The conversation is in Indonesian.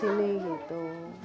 masih enggak bisa